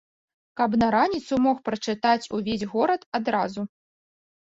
Каб на раніцу мог прачытаць увесь горад адразу.